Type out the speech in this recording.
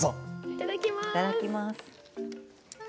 いただきます。